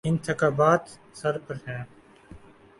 انتخابات سر پہ ہیں۔